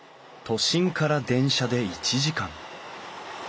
都心から電車で１時間。